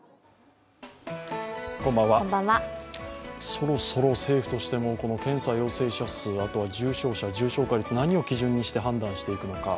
そろそろ政府としても検査陽性者数、あとは重症者、重症化率何を基準にして判断していくのか。